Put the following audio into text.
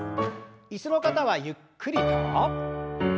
椅子の方はゆっくりと。